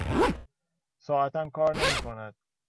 ساعتم کار نمیکند.